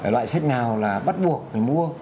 loại sách nào là bắt buộc phải mua